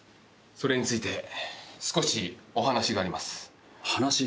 それについて少しお話があります。